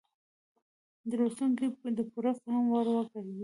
د لوستونکو د پوره فهم وړ وګرځي.